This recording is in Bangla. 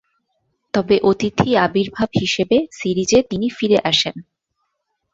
তবে অতিথি আবির্ভাব হিসেবে সিরিজে তিনি ফিরে আসেন।